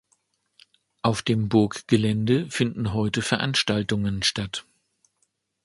Auf dem Burggelände finden heute Veranstaltungen statt.